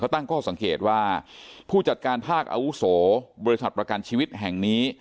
ตั้งข้อสังเกตว่าผู้จัดการภาคอาวุโสบริษัทประกันชีวิตแห่งนี้